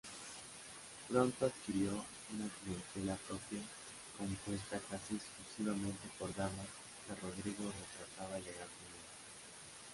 Pronto adquirió una clientela propia compuesta casi exclusivamente por damas que Rodrigo retrataba elegantemente.